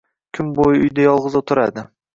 Kun bo`yi uyda yolg`iz o`tiradi